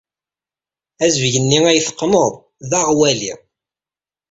Azebg-nni ay d-teqqned d aɣwali.